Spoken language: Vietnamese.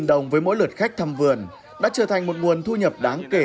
một mươi năm đồng với mỗi lượt khách thăm vườn đã trở thành một nguồn thu nhập đáng kể